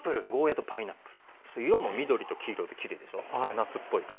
夏っぽい感じ。